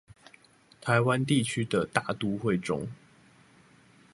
台灣地區的大都會中